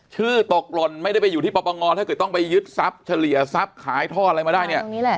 ชื่อตกหล่นไม่ได้ไปอยู่ที่ปปงถ้าเกิดต้องไปยึดทรัพย์เฉลี่ยทรัพย์ขายทอดอะไรมาได้เนี่ย